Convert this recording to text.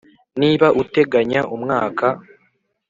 niba uteganya umwaka